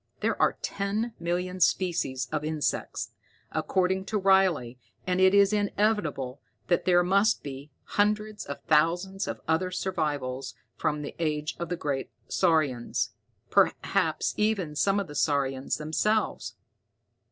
There are ten million species of insects, according to Riley, and it is inevitable that there must be hundreds of thousands of other survivals from the age of the great saurians, perhaps even some of the saurians themselves.